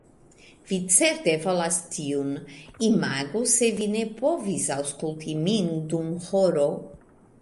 Vi certe volas tiun. Imagu se vi ne povis aŭskulti min dum horo!